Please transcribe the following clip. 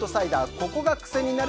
ここがクセになる！